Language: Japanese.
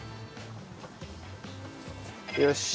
よし。